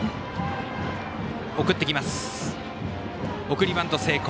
送りバント成功。